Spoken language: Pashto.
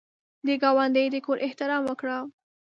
د ګاونډي د کور احترام وکړه